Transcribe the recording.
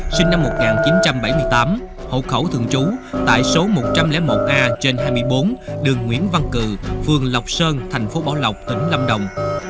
sinh năm một nghìn chín trăm bảy mươi tám hộ khẩu thường trú tại số một trăm linh một a trên hai mươi bốn đường nguyễn văn cử phường lộc sơn thành phố bảo lộc tỉnh lâm đồng